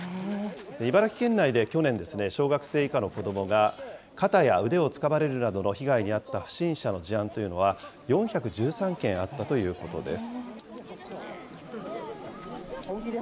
茨城県内で去年、小学生以下の子どもが肩や腕をつかまれるなどの被害に遭った不審者の事案というのは４１３件あったということです。